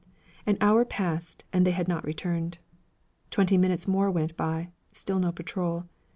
An hour passed and they had not returned. Twenty minutes more went by, still no patrol.